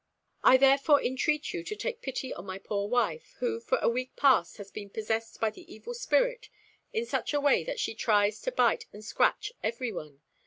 I therefore entreat you to take pity on my poor wife, who for a week past has been possessed by the evil spirit in such a way, that she tries to bite and scratch every one.